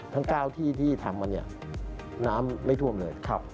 ทั้ง๙ที่ที่ทำมาน้ำไม่ท่วมเลยครับ